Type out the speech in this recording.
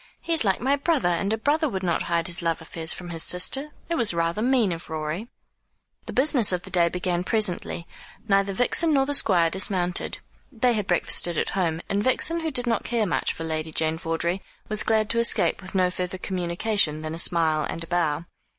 "He is like my brother; and a brother would not hide his love affairs from his sister. It was rather mean of Rorie." The business of the day began presently. Neither Vixen nor the Squire dismounted. They had breakfasted at home; and Vixen, who did not care much for Lady Jane Vawdrey, was glad to escape with no further communication than a smile and a bow.